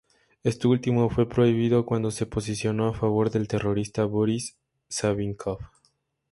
Este último fue prohibido cuando se posicionó a favor del terrorista Borís Sávinkov.